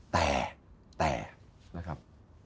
แต่นะครับ